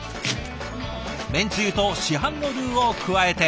麺つゆと市販のルーを加えて。